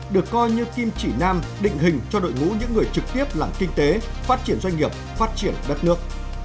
được coi như kim chỉ nam định hình cho đội ngũ những người trực tiếp làm kinh tế phát triển doanh nghiệp phát triển đất nước